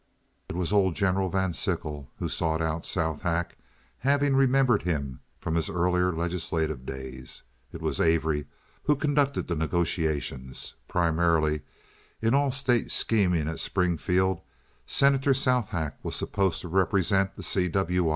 It was old General Van Sickle who sought out Southack, having remembered him from his earlier legislative days. It was Avery who conducted the negotiations. Primarily, in all state scheming at Springfield, Senator Southack was supposed to represent the C. W.